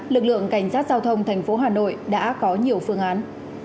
lực lượng cảnh sát giao thông thành phố hà nội đã có nhiều phương án